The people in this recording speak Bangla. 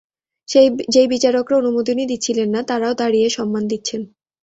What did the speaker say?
যেই বিচারকরা অনুমোদনই দিচ্ছিলেন না, তারাও দাঁড়িয়ে সম্মান দিচ্ছেন!